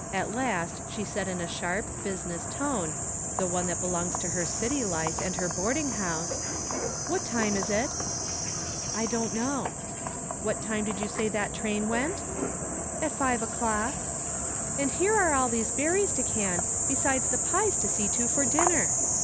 At last she said in a sharp, business tone, the one that belongs to her city life and her boarding house : "What time is it?" " I don't know." " What time did you say that train went? "" At five o'clock." " And here are all these berries to can, besides the pies to see to for dinner.